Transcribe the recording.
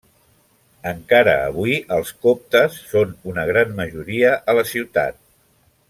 Encara avui els coptes són una gran majoria a la ciutat.